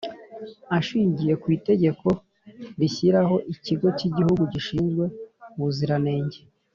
Ashingiye ku Itegeko rishyiraho Ikigo cy Igihugu gishinzwe ubuziranenge